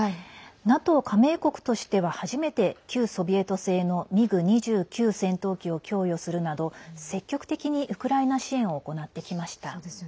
ＮＡＴＯ加盟国としては初めて旧ソビエト製のミグ２９戦闘機を供与するなど積極的にウクライナ支援を行ってきました。